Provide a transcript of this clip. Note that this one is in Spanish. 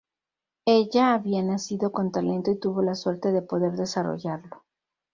Ella había nacido con talento y tuvo la suerte de poder desarrollarlo.